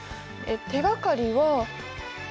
手がかりは。